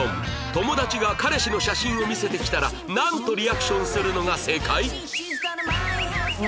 友達が彼氏の写真を見せてきたらなんとリアクションするのが正解？